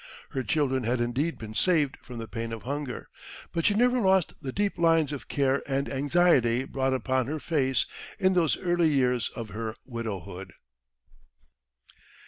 Her children had indeed been saved from the pain of hunger, but she never lost the deep lines of care and anxiety brought upon her face in those early years of her widowhood.